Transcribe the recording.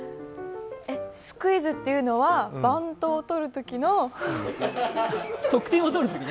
スクイズっていうのはバントをとるときの得点をとるときね。